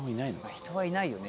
人はいないよね